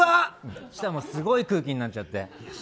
そしたらすごい空気になっちゃって。